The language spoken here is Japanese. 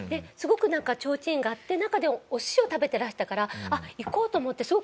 すごくなんかちょうちんがあって中でお寿司を食べてらしたから行こうと思って。